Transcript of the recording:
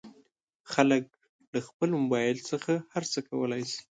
خلک له خپل مبایل څخه هر څه کولی شي.